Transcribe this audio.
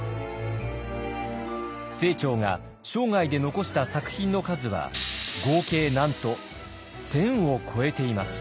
清張が生涯で残した作品の数は合計なんと１，０００を超えています。